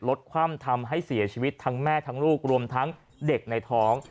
คว่ำทำให้เสียชีวิตทั้งแม่ทั้งลูกรวมทั้งเด็กในท้อง